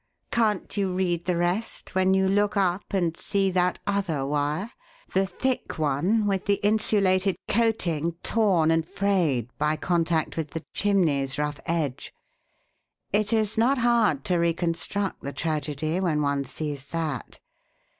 "Can't you read the rest when you look up and see that other wire the thick one with the insulated coating torn and frayed by contact with the chimney's rough edge? It is not hard to reconstruct the tragedy when one sees that.